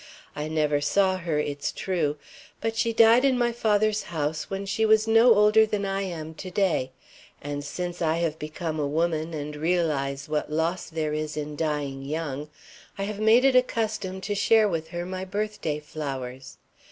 I never saw her, it's true, but she died in my father's house when she was no older than I am to day, and since I have become a woman and realize what loss there is in dying young, I have made it a custom to share with her my birthday flowers.